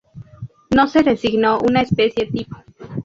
No se designó una especie tipo.